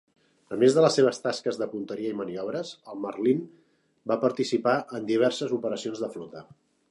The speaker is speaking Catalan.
A més de les seves tasques de punteria i maniobres, el "Marlin" va participar en diverses operacions de flota.